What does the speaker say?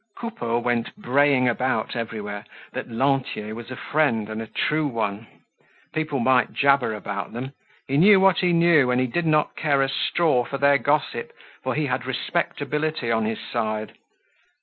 Coupeau went braying about everywhere that Lantier was a friend and a true one. People might jabber about them; he knew what he knew and did not care a straw for their gossip, for he had respectability on his side.